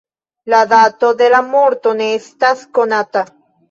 La dato de la morto ne estas konata.